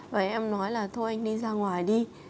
và em nói là thôi anh đi ra ngoài đi